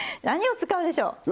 何を使うんでしょう。